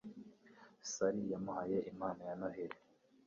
Sally yamuhaye impano ya Noheri.